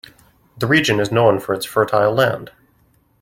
The region is known for its fertile land.